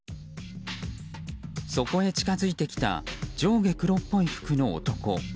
そこへ近づいてきた上下黒っぽい服の男。